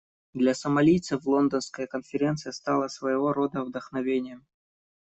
Для сомалийцев Лондонская конференция стала своего рода вдохновением.